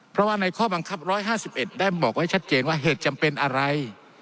เพราะว่าในข้อบังคับ๑๕๑ได้บอกไว้ชัดเจนว่าเหตุจำเป็นอะไร